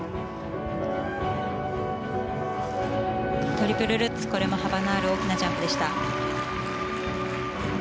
トリプルルッツ、これも幅のある大きなジャンプでした。